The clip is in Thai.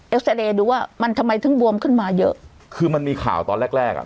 ซาเรย์ดูว่ามันทำไมถึงบวมขึ้นมาเยอะคือมันมีข่าวตอนแรกแรกอ่ะ